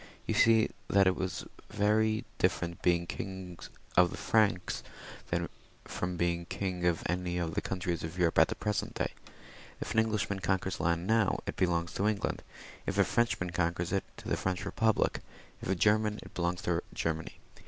You see that it was very dififerent being king of the Franks from being king of any of the countries of Europe at the present day. If an Englishman conquers land now, it belongs to the Queen ; if a Frenchman conquers it, to the French Eepublic ; if a Grerman, to the Emperor of Germany.